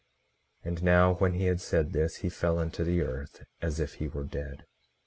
18:42 And now, when he had said this, he fell unto the earth, as if he were dead.